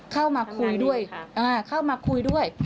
เข้ามาคุยด้วย